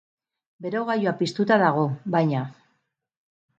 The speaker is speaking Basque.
Berogailua piztuta dago, baina!